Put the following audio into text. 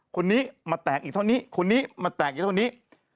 คนนี้มาแตกอีกเท่านี้คนนี้มาแตกอีกเท่านี้